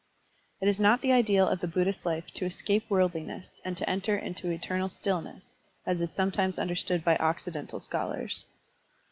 It is not the ideal of the Buddhist life to escape worldliness and to enter into eternal stillness, as is sometimes tmderstood by Occi dental scholars.